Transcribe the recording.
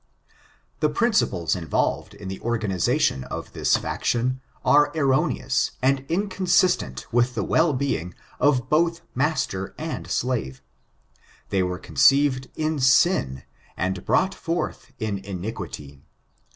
The principles involved in the organization of this faction are erroneous, and inconsistent with the well being of both master and slave. They were conceived in sin, and brought forth in iniquity.